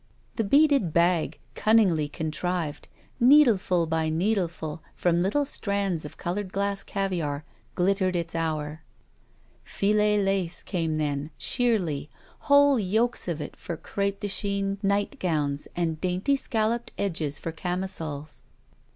The beaded bag, cunningly contrived, needleful by needleful, from little strands of colored glass caviar, glittered its hour. Filet lace came then, sheerly, whole yokes of it for cr&pe de Chine nightgowns and dainty scalloped edges for camisoles. Mrs.